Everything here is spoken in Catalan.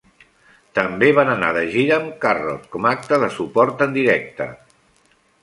També van anar de gira amb Carrot com a acte de suport en directe.